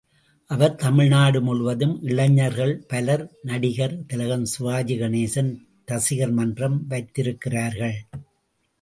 அவர், தமிழ்நாடு முழுவதும் இளைஞர்கள் பலர் நடிகர் திலகம் சிவாஜி கணேசன் ரசிகர் மன்றம் வைத்திருக்கிறார்கள்.